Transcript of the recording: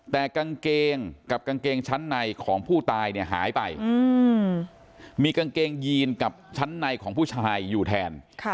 แต่กางเกงกับกางเกงชั้นในของผู้ตายเนี่ยหายไปมีกางเกงยีนกับชั้นในของผู้ชายอยู่แทน